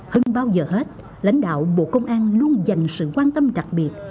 hơn bao giờ hết lãnh đạo bộ công an luôn dành sự quan tâm đặc biệt